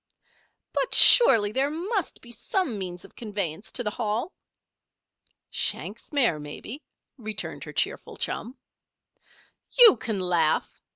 "But surely there must be some means of conveyance to the Hall!" "Shank's mare, maybe," returned her cheerful chum. "You can laugh!"